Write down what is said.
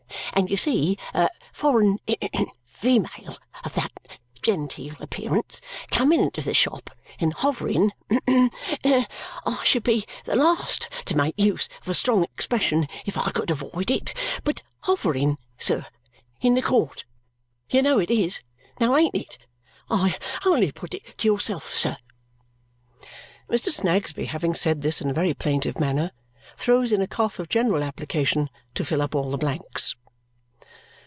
And you see, a foreign female of that genteel appearance coming into the shop, and hovering I should be the last to make use of a strong expression if I could avoid it, but hovering, sir in the court you know it is now ain't it? I only put it to yourself, sir." Mr. Snagsby, having said this in a very plaintive manner, throws in a cough of general application to fill up all the blanks.